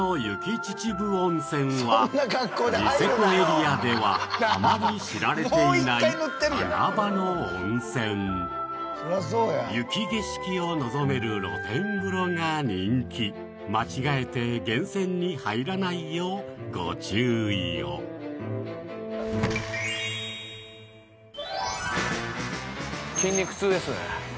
秩父温泉はニセコエリアではあまり知られていない穴場の温泉雪景色を臨める露天風呂が人気間違えて源泉に入らないようご注意を筋肉痛ですね